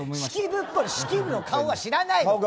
式部の顔は知らない！